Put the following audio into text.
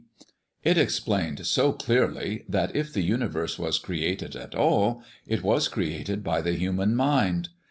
It explained so clearly that if the universe was created at all, it was created by the human mind.